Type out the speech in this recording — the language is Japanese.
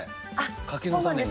柿の種が。